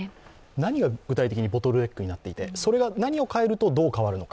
何が具体的にボトルネックになっていてそれが何を変えると、どう変わるのか。